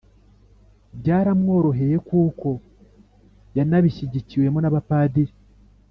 byaramworoheye kuko yanabishigikiwemo n'abapadiri